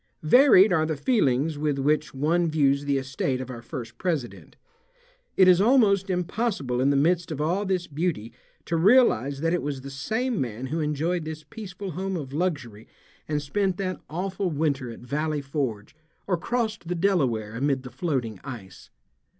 Varied are the feelings with which one views the estate of our first president. It is almost impossible in the midst of all this beauty to realize that it was the same man who enjoyed this peaceful home of luxury and spent that awful winter at Valley Forge or crossed the Delaware amid the floating ice.